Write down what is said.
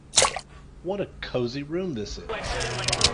What a cosy room this is!